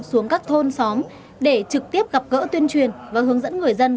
xuống các thôn xóm để trực tiếp gặp gỡ tuyên truyền và hướng dẫn người dân